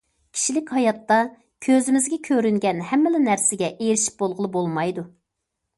كىشىلىك ھاياتتا كۆزىمىزگە كۆرۈنگەن ھەممىلا نەرسىگە ئېرىشىپ بولغىلى بولمايدۇ.